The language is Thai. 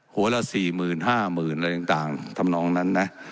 หัวเรา๔หมื่น๕หมื่นอะไรต่างทำนองนั้นนะ